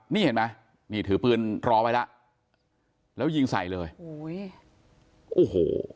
นี่เห็นไหมนี่ถือปืนรอไว้แล้วแล้วยิงใส่เลยโอ้โห